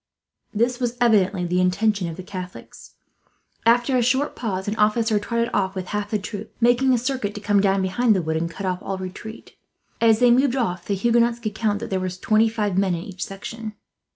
This was evidently the intention of the Catholics. After a short pause an officer trotted off with half the troop, making a circuit to come down behind the wood and cut off all retreat. As they moved off, the Huguenots could count that there were twenty five men in each section.